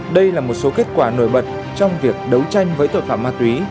đây là một số kết quả nổi bật trong việc đấu tranh với tội phạm ma túy